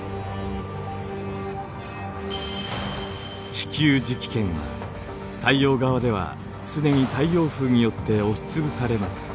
地球磁気圏は太陽側では常に太陽風によって押しつぶされます。